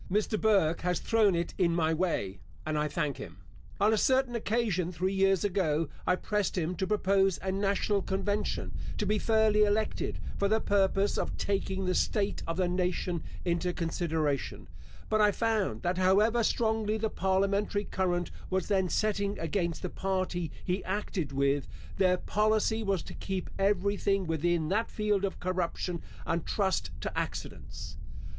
Mr. Burke has thrown it in my way, and I thank him. On a certain occasion, three years ago, I pressed him to propose a national convention, to be fairly elected, for the purpose of taking the state of the nation into consideration; but I found, that however strongly the parliamentary current was then setting against the party he acted with, their policy was to keep every thing within that field of corruption, and trust to accidents.